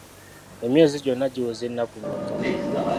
Emyezi gyonna giweza ennaku mmeka?